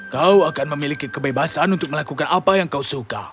kau akan memiliki kebebasan untuk melakukan apa yang kau suka